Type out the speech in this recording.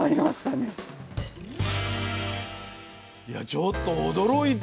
ちょっと驚いた。